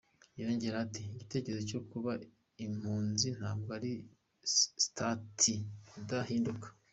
Yongeyeho ati “Igitekerezo cyo kuba impunzi ntabwo ari sitati idahinduka.